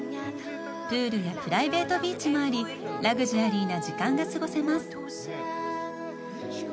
プールやプライベートビーチもあり、ラグジュアリーな時間が過ごせます。